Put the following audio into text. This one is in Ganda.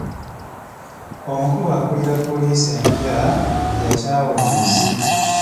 Omukulu akulira poliisi empya yakyawa enguzi.